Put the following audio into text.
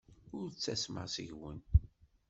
Ur ttasmeɣ seg-wen.